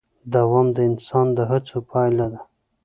دوام د انسان د هڅو پایله ده.